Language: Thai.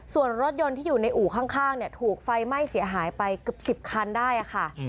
ส่วนรถยนต์ที่อยู่ในอู่ข้างเนี่ยถูกไฟไหม้เสียหายไปเกือบ๑๐คันได้ค่ะ